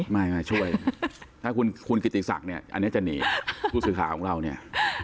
ไม่มาช่วยถ้าคุณกิติศักดิ์เนี่ยอันนี้จะหนีผู้สื่อข่าวของเราเนี่ย